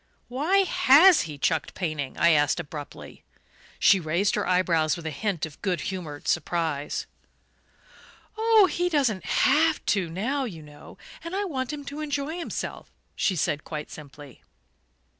"Why HAS he chucked painting?" I asked abruptly. She raised her eyebrows with a hint of good humoured surprise. "Oh, he doesn't HAVE to now, you know; and I want him to enjoy himself," she said quite simply.